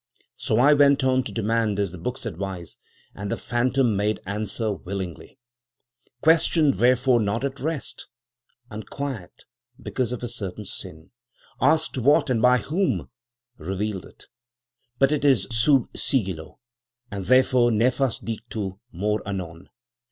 So I went on to demand, as the books advise; and the phantom made answer, willingly. Questioned wherefore not at rest? Unquiet, because of a certain sin. Asked what, and by whom? Revealed it; but it is sub sigillo, and therefore nefas dictu; more anon.